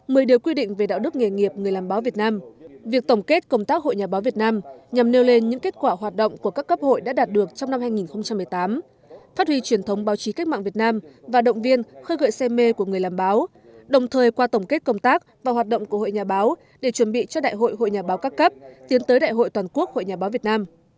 mười điều quy định về đạo đức nghề nghiệp người làm báo việt nam việc tổng kết công tác hội nhà báo việt nam nhằm nêu lên những kết quả hoạt động của các cấp hội đã đạt được trong năm hai nghìn một mươi tám phát huy truyền thống báo chí cách mạng việt nam và động viên khơi gợi xem mê của người làm báo đồng thời qua tổng kết công tác và hoạt động của hội nhà báo để chuẩn bị cho đại hội hội nhà báo các cấp tiến tới đại hội toàn quốc hội nhà báo việt nam